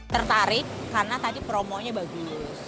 tertarik karena tadi promonya bagus